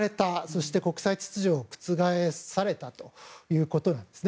そして、国際秩序を覆されたということなんです。